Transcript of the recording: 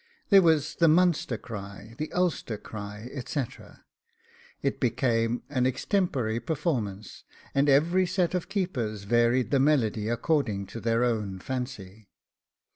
There was the Munster cry, the Ulster cry, etc. It became an extempore performance, and every set of keepers varied the melody according to their own fancy.